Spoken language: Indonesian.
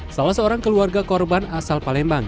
salah seorang keluarga korban asal palembang